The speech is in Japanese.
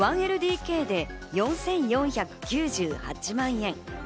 １ＬＤＫで４４９８万円。